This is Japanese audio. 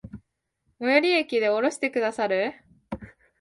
最寄駅で降ろしてくださる？